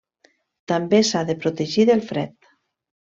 També s'ha de protegir del fred.